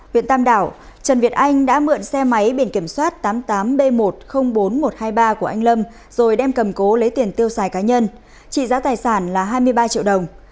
huyện tam đảo trần việt anh đã mượn xe máy biển kiểm soát tám mươi tám b một trăm linh bốn nghìn một trăm hai mươi ba của anh lâm rồi đem cầm cố lấy tiền tiêu xài cá nhân trị giá tài sản là hai mươi ba triệu đồng